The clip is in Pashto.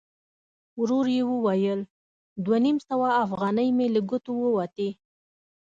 ورو يې وویل: دوه نيم سوه اوغانۍ مې له ګوتو ووتې!